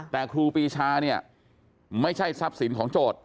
แต่ครูปีชาเนี่ยไม่ใช่ทรัพย์สินของโจทย์